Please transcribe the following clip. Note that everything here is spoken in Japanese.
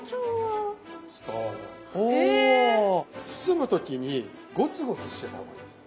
包む時にゴツゴツしてた方がいいです。